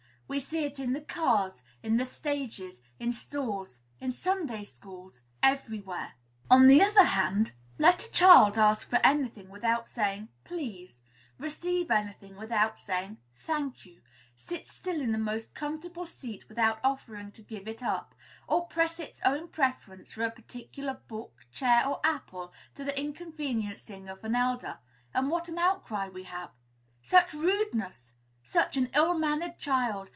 We see it in the cars, in the stages, in stores, in Sunday schools, everywhere. On the other hand, let a child ask for any thing without saying "please," receive any thing without saying "thank you," sit still in the most comfortable seat without offering to give it up, or press its own preference for a particular book, chair, or apple, to the inconveniencing of an elder, and what an outcry we have: "Such rudeness!" "Such an ill mannered child!"